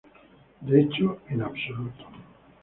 De hecho, en absoluto.